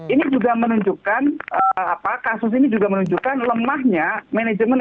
ini juga menunjukkan kasus ini juga menunjukkan lemahnya manajemen